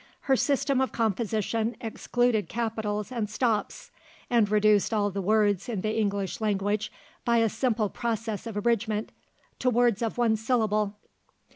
Her system of composition excluded capitals and stops; and reduced all the words in the English language, by a simple process of abridgment, to words of one syllable.